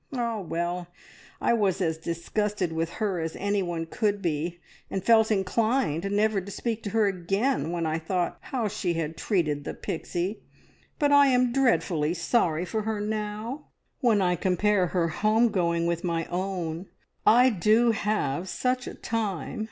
Ah, well, I was as disgusted with her as anyone could be, and felt inclined never to speak to her again when I thought how she had treated the Pixie; but I am dreadfully sorry for her now, when I compare her home going with my own. I do have such a time!